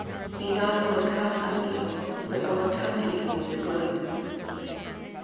'*Be not overcome of evil, but overcome evil with good " Rom.